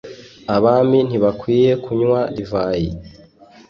abami ntibakwiye kunywa divayi